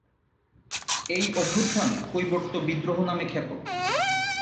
এই অভ্যুত্থান কৈবর্ত বিদ্রোহ নামে খ্যাত।